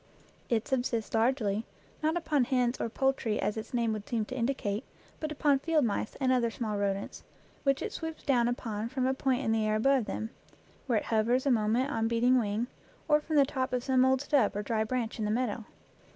It subsists largely, not upon hens or poultry as its name would seem to in dicate, but upon field mice and other small rodents, which it swoops down upon from a point in the air above them, where it hovers a moment on beating wing, or from the top of some old stub or dry branch in the meadow.